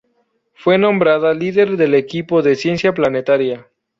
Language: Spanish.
Fue nombrada líder del equipo de ciencia planetaria.